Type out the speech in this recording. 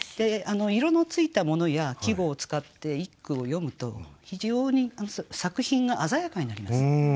色のついたものや季語を使って一句を詠むと非常に作品が鮮やかになります。